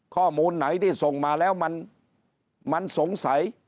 ข้อมูลไหนที่ส่งมาแล้วมันสงสัย